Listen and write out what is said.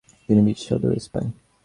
তিনি বিশ শতকের প্রথম সুপার স্পাই।